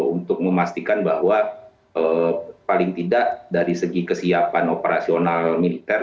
untuk memastikan bahwa paling tidak dari segi kesiapan operasional militer